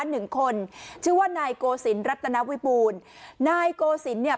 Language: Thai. หนึ่งคนชื่อว่านายโกศิลปรัตนวิบูลนายโกศิลป์เนี่ย